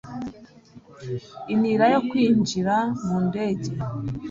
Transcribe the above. inira yo kwinjira mu ndege